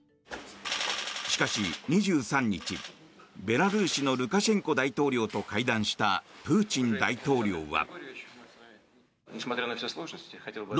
しかし２３日、ベラルーシのルカシェンコ大統領と会談したプーチン大統領は。